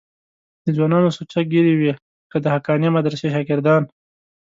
د ځوانانو سوچه ږیرې وې لکه د حقانیه مدرسې شاګردان.